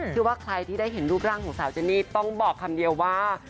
ว่าใครที่ได้เห็นรูปร่างของสาวเจนี่ต้องบอกคำเดียวว่า